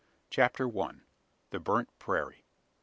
CHAPTER ONE. THE BURNT PRAIRIE.